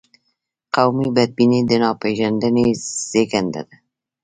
قومي بدبیني د ناپېژندنې زیږنده ده.